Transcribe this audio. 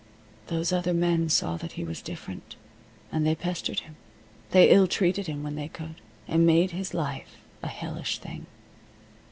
Those other men saw that he was different, and they pestered him. They ill treated him when they could, and made his life a hellish thing.